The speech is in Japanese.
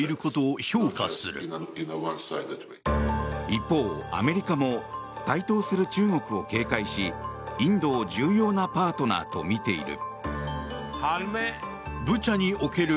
一方、アメリカも台頭する中国を警戒しインドを重要なパートナーと見ている。